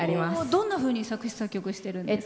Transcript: どんなふうに作詞・作曲してるんですか？